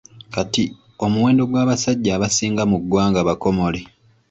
Kati, omuwendo gw'abasajja abasinga mu ggwanga bakomole.